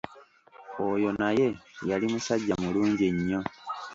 Oyo naye yali musajja mulungi nnyo.